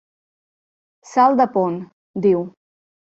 "Salt de pont ", diu.